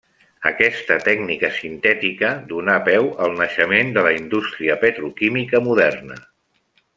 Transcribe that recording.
Aquesta tècnica sintètica donà peu al naixement de la indústria petroquímica moderna.